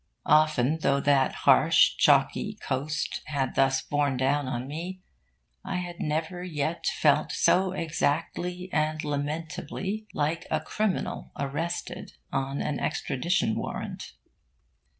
Often though that harsh, chalky coast had thus borne down on me, I had never yet felt so exactly and lamentably like a criminal arrested on an extradition warrant.